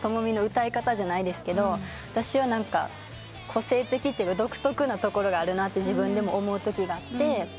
ＴＯＭＯＭＩの歌い方じゃないですけど私は個性的というか独特なところがあるなと自分でも思うときがあって。